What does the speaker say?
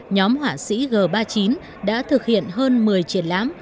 nhóm họa sĩ g ba mươi chín đã thực hiện hơn một mươi triển lãm